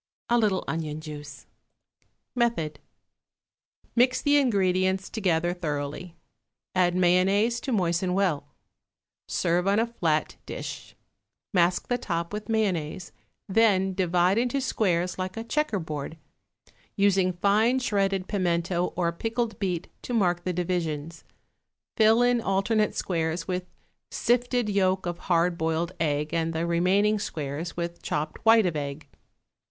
A little onion juice. Method. Mix the ingredients together thoroughly; add mayonnaise to moisten well. Serve on a flat dish. Mask the top with mayonnaise, then divide into squares like a checker board, using fine shredded pimento or pickled beet to mark the divisions; fill in alternate squares with sifted yolk of hard boiled egg and the remaining squares with chopped white of egg.